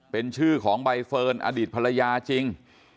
เป็นชื่อของใบเฟิร์นอดีตภรรยาจริง